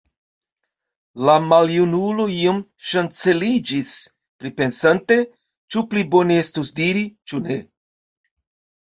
La maljunulo iom ŝanceliĝis, pripensante, ĉu pli bone estos diri, ĉu ne.